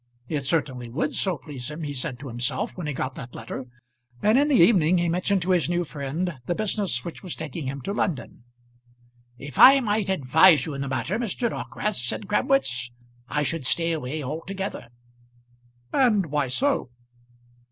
It certainly would so please him, he said to himself when he got that letter; and in the evening he mentioned to his new friend the business which was taking him to London. "If I might advise you in the matter, Mr. Dockwrath," said Crabwitz, "I should stay away altogether." "And why so?"